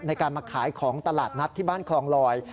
ในการมาขายของตลาดนัดที่บ้านคลองลอย